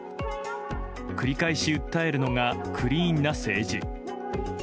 繰り返し訴えるのがクリーンな政治。